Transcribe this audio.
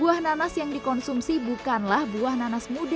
buah nanas yang dikonsumsi bukanlah buah nanas yang dikonsumsi